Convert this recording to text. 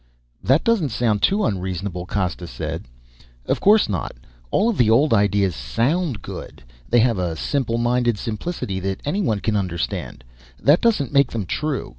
"That doesn't sound too unreasonable," Costa said. "Of course not. All of the old ideas sound good. They have a simple minded simplicity that anyone can understand. That doesn't make them true.